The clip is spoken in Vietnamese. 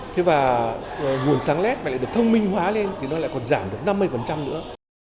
thế và nguồn sáng lét lại được thông minh hóa lên thì nó lại còn giảm được năm mươi nữa